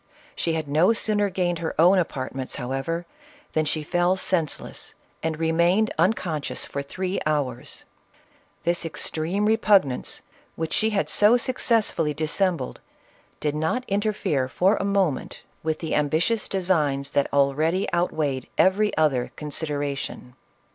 She had no sooner gained her own apartments, however, than she fell senseless, and remained unconscious for three hours. This extreme repugnance, which she had so success fully dissembled, did not interfere for a moment with the ambitious designs that already outweighed every other consideration.